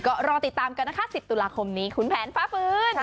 ก็รอติดตามกันนะคะ๑๐ตุลาคมนี้คุณแผนฟ้าฟื้น